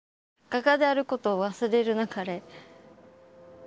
「画家であることを忘れるなかれ」。